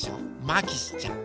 まきしちゃん。